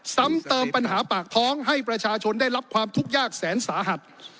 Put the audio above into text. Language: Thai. ซ้ำเติมปัญหาปากท้องให้ประชาชนได้รับความทุกข์ยากแสนสาหัส